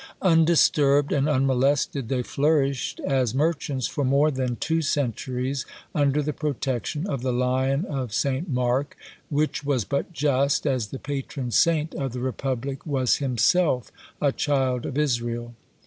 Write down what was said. Undisturbed and unmolested, they flourished as merchants for more than two centuries under the protection of the lion of St. Mark, which was but just, as the patron saint of the Republic was himself a child of Israel.